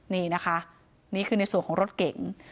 นี่นะคะนี่คือในส่วนของรถเก๋ง